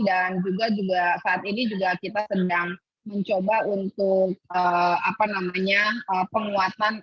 dan juga saat ini kita sedang mencoba untuk penguatan